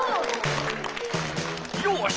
よし！